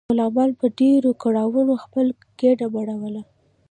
غلامانو به په ډیرو کړاوونو خپله ګیډه مړوله.